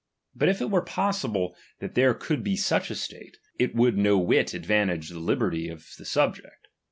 But if it were possible that there could be such a state, it would no whit advantage the liberty of the sub ject.